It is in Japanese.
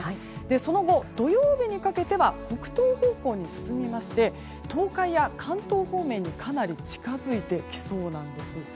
その後、土曜日にかけては北東方向に進みまして東海や関東方面にかなり近づいてきそうなんです。